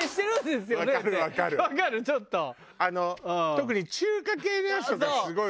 特に中華系のやつとかすごいわよね。